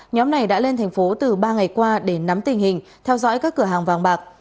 nhóm này đã lên thành phố từ ba ngày qua để nắm tình hình theo dõi các cửa hàng vàng bạc